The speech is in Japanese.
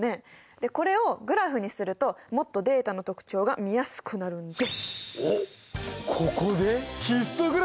でこれをグラフにするともっとデータの特徴が見やすくなるんです。